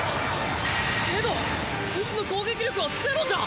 けどそいつの攻撃力はゼロじゃ。